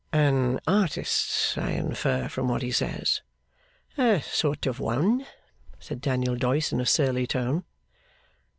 'An artist, I infer from what he says?' 'A sort of a one,' said Daniel Doyce, in a surly tone.